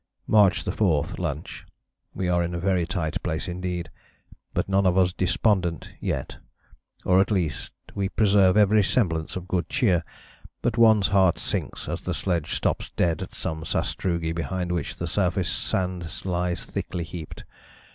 "March 4. Lunch. We are in a very tight place indeed, but none of us despondent yet, or at least we preserve every semblance of good cheer, but one's heart sinks as the sledge stops dead at some sastrugi behind which the surface sand lies thickly heaped.